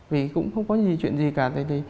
vì cũng không có chuyện gì cả